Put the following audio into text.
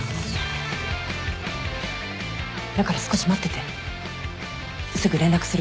だから少し待っててすぐ連絡するから。